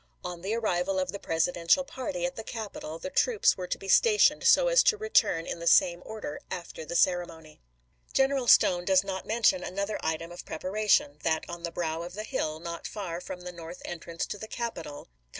On the arrival of the Presidential party at the Capitol the troops were to be stationed so as to return in the same order after the ceremony.1 General Stone does not mention another item of preparation — that on the brow of the hill, not far from the north entrance to the Capitol, command i General C.